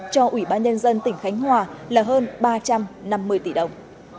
cho ủy ban nhân dân tỉnh khánh hòa là hơn ba trăm năm mươi tỷ đồng